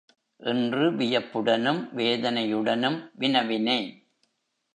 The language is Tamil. என்று வியப்புடனும் வேதனையுடனும் வினவினேன்.